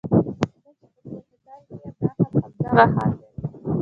اوس چې زه په کوم هوټل کې یم دا هم همدغه حال لري.